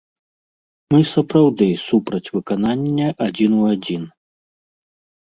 Мы сапраўды супраць выканання адзін у адзін.